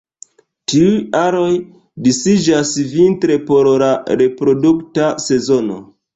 Tiuj aroj disiĝas vintre por la reprodukta sezono.